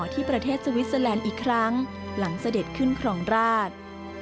ที่ประเทศสวิสเตอร์แลนด์อีกครั้งหลังเสด็จขึ้นครองราช